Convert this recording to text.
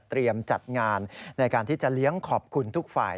จัดงานในการที่จะเลี้ยงขอบคุณทุกฝ่าย